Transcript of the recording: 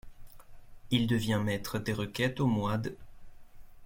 Il devient maître des requêtes au mois d'.